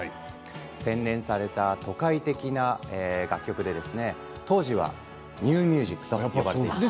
洗練された都会的な楽曲で当時はニューミュージックと呼ばれていました。